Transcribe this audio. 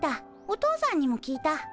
お父さんにも聞いた。